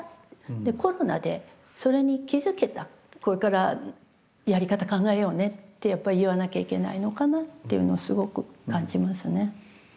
これからやり方考えようねってやっぱり言わなきゃいけないのかなっていうのをすごく感じますね。